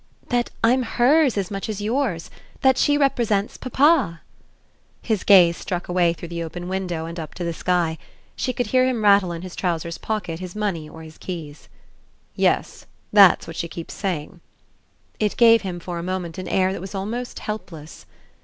"That I'm hers as much as yours. That she represents papa." His gaze struck away through the open window and up to the sky; she could hear him rattle in his trousers pockets his money or his keys. "Yes that's what she keeps saying." It gave him for a moment an air that was almost helpless.